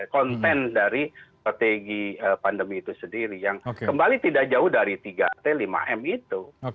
konten dari strategi pandemi itu sendiri yang kembali tidak jauh dari tiga t lima m itu